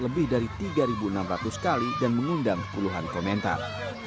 lebih dari tiga enam ratus kali dan mengundang puluhan komentar